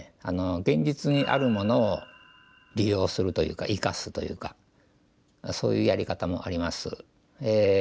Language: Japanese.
現実にあるものを利用するというか生かすというかそういうやり方もあります。